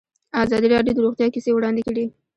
ازادي راډیو د روغتیا کیسې وړاندې کړي.